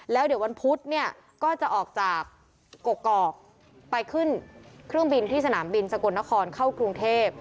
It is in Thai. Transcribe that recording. แล้วเดี๋ยววันพุธเนี่ยก็จะออกจากกกอกไปขึ้นเครื่องบินที่สนามบินสกลนครเข้ากรุงเทพ